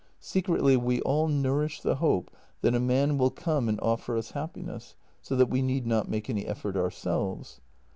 Secretly we all nourish the hope that a man will come and offer us happiness, so that we need not make any effort ourselves.